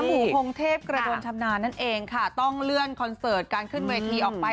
ปู่พงเทพกระโดนชำนาญนั่นเองค่ะต้องเลื่อนคอนเสิร์ตการขึ้นเวทีออกไป